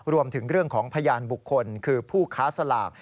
รวมถึงเรื่องของพยานบุคคลคือผู้ค้าสลาก